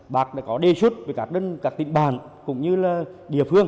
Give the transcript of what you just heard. bạc đã có đề xuất về các định bản cũng như là địa phương